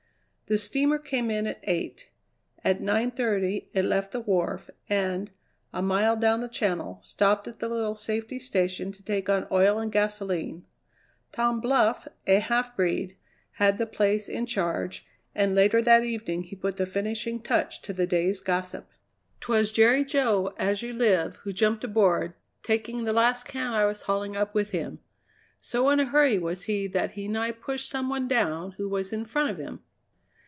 The steamer came in at eight. At nine thirty it left the wharf, and, a mile down the Channel, stopped at the little safety station to take on oil and gasoline. Tom Bluff, a half breed, had the place in charge, and later that evening he put the finishing touch to the day's gossip. "'Twas Jerry Jo, as you live, who jumped aboard, taking the last can I was hauling up with him. So in a hurry was he that he nigh pushed some one down who was in front of him.